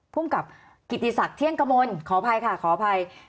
ภูมิกับกิติศักดิ์เที่ยงกมลขออภัยค่ะขออภัย